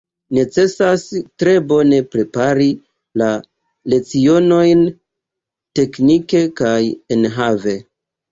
Necesas tre bone prepari la lecionojn teknike kaj enhave.